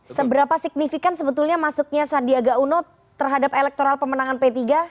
seberapa signifikan sebetulnya masuknya sandiaga uno terhadap elektoral pemenangan p tiga